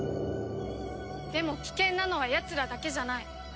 でも危険なのはやつらだけじゃない。